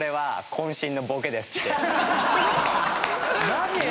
マジ？